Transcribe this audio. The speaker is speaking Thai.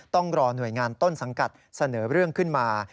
ต้องรอหน่วยงานต้นสังกัดเสนอเรื่องขึ้นมา